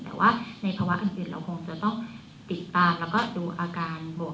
แต่ว่าในภาวะอังกฤษเราคงจะต้องติดตามแล้วก็ดูอาการบวก